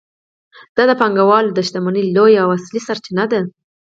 دا د پانګوال د شتمنۍ لویه او اصلي سرچینه ده